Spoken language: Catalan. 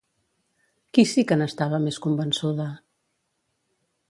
Qui sí que n'estava més convençuda?